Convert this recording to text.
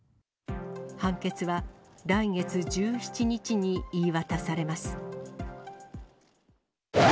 判決は来月１７日に言い渡されます。